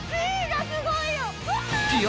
Ｇがすごいよ！